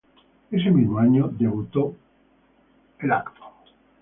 Ese mismo año debutó el evento.